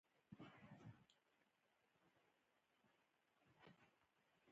دا دښتې د ټولنې لپاره بنسټیزې دي.